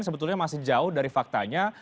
sebetulnya masih jauh dari faktanya